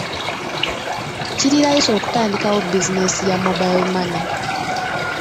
Kiri layisi okutandikawo bizinensi ya mobile money.